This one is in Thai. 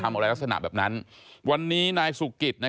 ก็ไม่รู้ว่าฟ้าจะระแวงพอพานหรือเปล่า